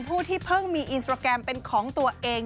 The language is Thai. ที่เพิ่งมีอินสตราแกรมเป็นของตัวเอง